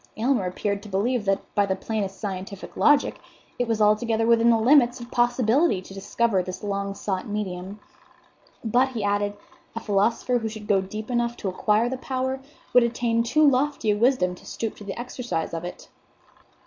Aylmer appeared to believe that, by the plainest scientific logic, it was altogether within the limits of possibility to discover this long sought medium; "but," he added, "a philosopher who should go deep enough to acquire the power would attain too lofty a wisdom to stoop to the exercise of it."